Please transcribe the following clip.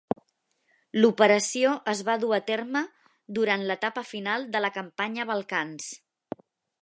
L'operació es va dur a terme durant l'etapa final de la campanya Balcans.